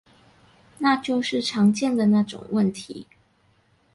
那就是常見的那種問題